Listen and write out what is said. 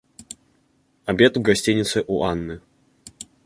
Обед в гостинице у Анны.